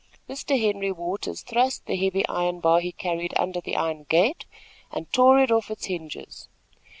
Mr. Henry Waters thrust the heavy iron bar he carried under the iron gate, and tore it off its hinges.